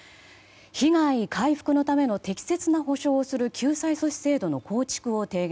被害回復のための適切な補償をする救済措置制度の構築を提言。